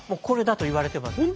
これだといわれてます。